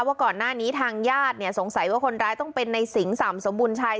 ว่าก่อนหน้านี้ทางญาติเนี่ยสงสัยว่าคนร้ายต้องเป็นในสิงสำสมบูรณ์ชัย